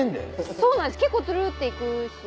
そうなんです結構トゥルって行くし。